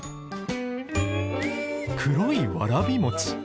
黒いわらび餅。